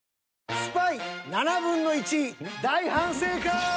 スパイ７分の１大反省会！